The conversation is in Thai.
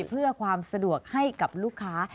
เพื่อความสะดวกให้กับลูกค้า